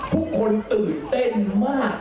ทุกคนตื่นเต้นมาก